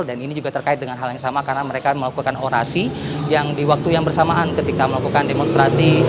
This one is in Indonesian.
dan ini juga terkait dengan hal yang sama karena mereka melakukan orasi yang di waktu yang bersamaan ketika melakukan demonstrasi